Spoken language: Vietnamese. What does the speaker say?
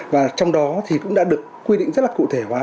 và trong đó thì cũng đã được quy định rất là cụ thể